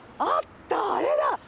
あった、あれだ。